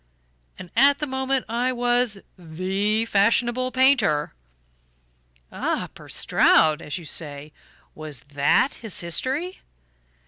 And at the moment I was THE fashionable painter." "Ah, poor Stroud as you say. Was THAT his history?"